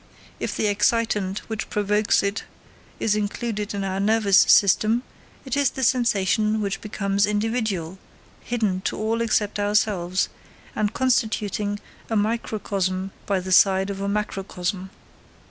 If the excitant which provokes it is included in our nervous system, it is the sensation which becomes individual, hidden to all except ourselves, and constituting a microcosm by the side of a macrocosm.